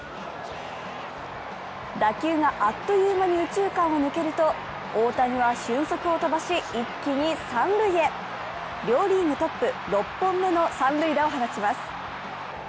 打球があっという間に右中間を抜けると大谷は俊足を飛ばし、一気に三塁へ両リーグトップ６本目の三塁打を放ちます。